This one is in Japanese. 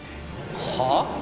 はあ？